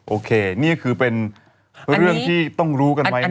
โอเคนี่คือเป็นเรื่องที่ต้องรู้กันไว้